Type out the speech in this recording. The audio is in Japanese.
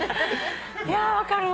いや分かるわ。